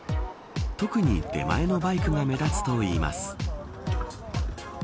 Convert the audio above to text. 特に出前のバイクが目立つといいます。